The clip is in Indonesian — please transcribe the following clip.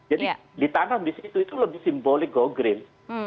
jadi ditanam di situ itu lebih simbolik go green